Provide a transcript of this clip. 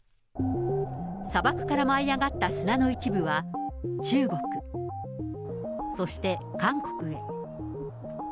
砂漠から舞い上がった砂の一部は、中国、そして韓国へ。